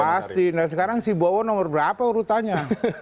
pasti nah sekarang si bowo nomor berapa urutannya